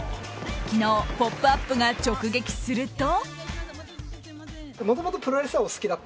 昨日、「ポップＵＰ！」が直撃すると。